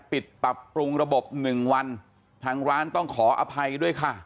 ปิดปรับปรุงระบบหนึ่งวันทางร้านต้องขออภัยด้วยค่ะ